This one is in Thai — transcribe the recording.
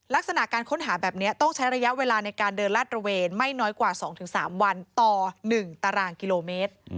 ลักษณะการค้นหาแบบนี้ต้องใช้ระยะเวลาในการเดินลาดระเวนไม่น้อยกว่า๒๓วันต่อ๑ตารางกิโลเมตร